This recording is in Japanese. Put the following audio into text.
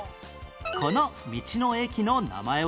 この道の駅の名前は？